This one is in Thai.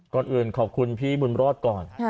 ก่อนอื่นขอบคุณพี่บุญรอดก่อน